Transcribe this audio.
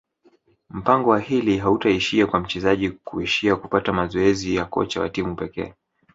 mpango wa hili hautaishia kwa mchezaji kuishia kupata mazoezi ya kocha wa timu pekee